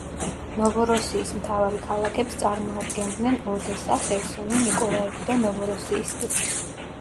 ნოვოროსიის მთავარი ქალაქებს წარმოადგენდნენ ოდესა, ხერსონი, ნიკოლაევი და ნოვოროსიისკი.